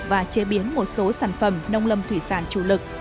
và chế biến một số sản phẩm nông lâm thủy sản chủ lực